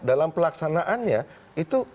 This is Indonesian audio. dalam pelaksanaannya itu